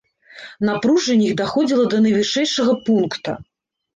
Напружанне іх даходзіла да найвышэйшага пункта.